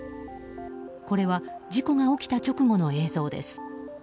これは事故が起きた直後の映像です。